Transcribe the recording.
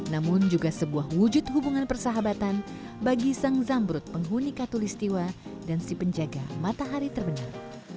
namun juga sebuah wujud hubungan persahabatan bagi sang zambrut penghuni katulistiwa dan si penjaga matahari terbenam